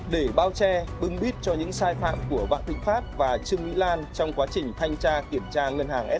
để bao che bưng bít cho những sai phạm của vạn thịnh pháp và trương mỹ lan trong quá trình thanh tra kiểm tra ngân hàng sc